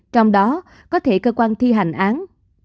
trong đó có thể cơ quan thi hành án